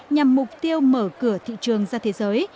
nhằm mục tiêu mở cửa thị trường ra thế giới